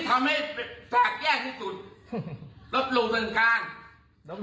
ทำไมผมมีสิทธิ์